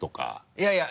いやいや！